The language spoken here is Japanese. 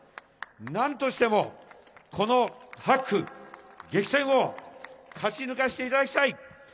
なんとしてもこの８区、激戦を勝ち抜かせていただきたい。